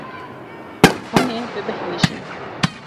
Hûn ê bibêhnijin.